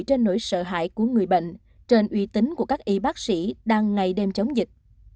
cho nỗi sợ hãi của người bệnh trên uy tín của các y bác sĩ đang ngày đêm chống dịch